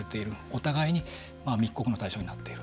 お互いに密告の対象になっている。